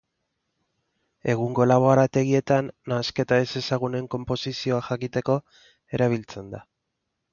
Egungo laborategietan nahasketa ezezagunen konposizioa jakiteko erabiltzen da.